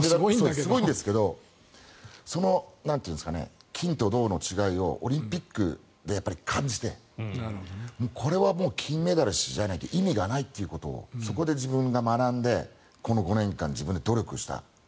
すごいんですけどその金と銅の違いをオリンピックで感じてこれはもう金メダルじゃないと意味がないということを自分で学んでこの５年間、自分で努力した。